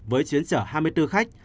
với chuyến chở hai mươi bốn khách